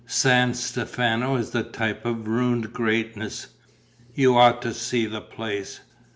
San Stefano is the type of ruined greatness. You ought to see the place.